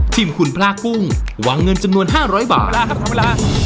ทีมขุนพลากุ้งวางเงินจำนวนห้าร้อยบาทครับครับเวลา